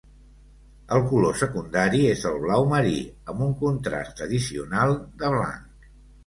El color secundari és el blau marí, amb un contrast addicional de blanc.